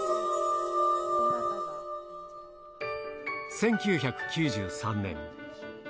１９９３年。